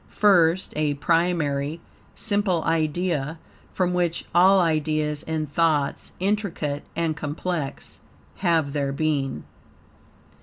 First a primary, simple idea, from which all ideas and thoughts, intricate and complex, have their being.